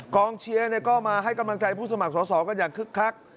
กองเชียร์ก็มาให้กำลังใจผู้สมัครสอสอกันอย่างคึกคัก